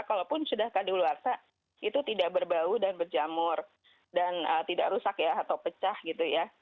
kalaupun sudah keadaan luarsa itu tidak berbau dan berjamur dan tidak rusak ya atau pecah gitu ya